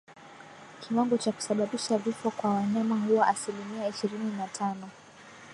Kiwango cha kusababisha vifo kwa wanyama huwa asilimia ishirini na tano